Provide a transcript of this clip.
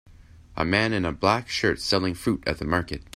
A man in a black shirt selling fruit at the market.